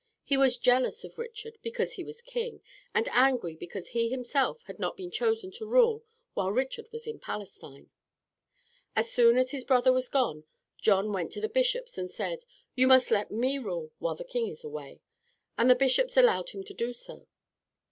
He was jealous of Richard because he was king, and angry because he himself had not been chosen to rule while Richard was in Palestine. As soon as his brother had gone, John went to the bishops and said, "You must let me rule while the King is away." And the bishops allowed him to do so.